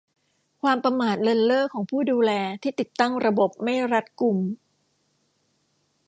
ความประมาทเลินเล่อของผู้ดูแลที่ติดตั้งระบบไม่รัดกุม